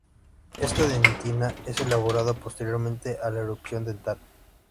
Esta dentina es elaborada posteriormente a la erupción dental.